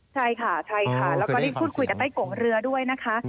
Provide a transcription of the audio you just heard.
ใช่ค่ะแล้วก็พูดคุยกับใต้กลงเรือด้วยนะคะ